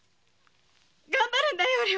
頑張るんだよ